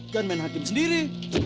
dan menakdir sendiri